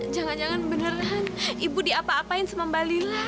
jangan jangan beneran ibu diapa apain sama mbak lila